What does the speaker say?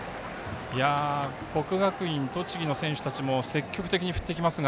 国学院栃木の選手たちも積極的に振っていきます。